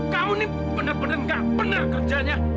kamu ini bener bener gak pener kerjanya